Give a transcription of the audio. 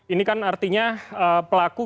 ini kan artinya pelaku